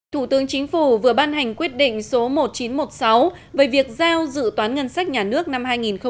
thủ tướng chính phủ vừa ban hành quyết định số một nghìn chín trăm một mươi sáu về việc giao dự toán ngân sách nhà nước năm hai nghìn một mươi chín